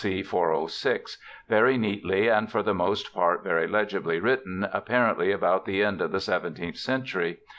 C. 406), very neatly (and for the most part very legibly) written, apparently about the end of the seventeenth century.